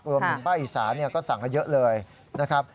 รวมถึงป้าอิสาเนี่ยก็สั่งเยอะเลยนะครับ